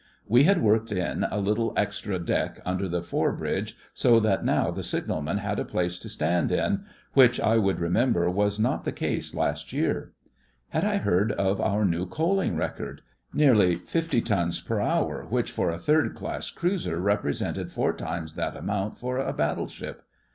We had worked in a little extra deck under the forebridge, so that now the signalman had a place to stand in, which I would remember was not the case last year. Had I heard of our new coaling record? Nearly fifty tons per hour, which for a third class cruiser represented four times that amount for a battleship.